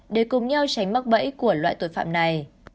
để cùng nhau tránh mắc bẫy của loại tội phạm này